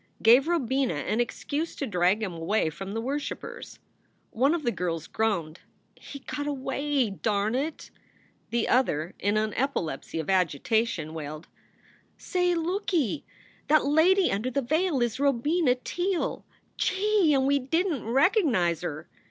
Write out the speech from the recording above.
gave Robina an excuse to drag him away from the worshipers. One of the girls groaned, "He got away, darn it!" The other, in an epilepsy of agitation, wailed: "Say, looky! That lady under the veil is Robina Teele! Gee! and we didn t reco nize her!"